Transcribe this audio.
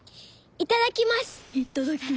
「いただきます」。